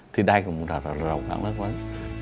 thì đây là một rộng rãng lớn lớn